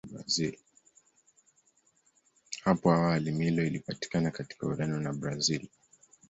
Hapo awali Milo ilipatikana katika Ureno na Brazili.